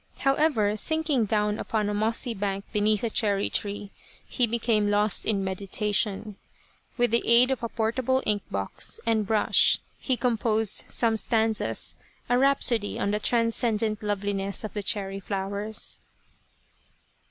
However, sinking down upon a mossy bank beneath a cherry tree, he became lost in meditation. With the aid of a portable ink box and brush he composed some stanzas, a rhapsody on the transcendent loveliness of the cherry flowers.